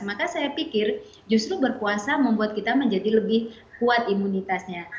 maka saya pikir justru berpuasa membuat kita menjadi lebih kuat imunitasnya